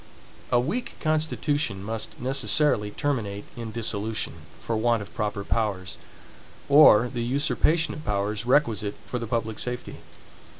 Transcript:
A weak constitution must necessarily terminate in dissolution, for want of proper powers, or the usurpation of powers requisite for the public safety.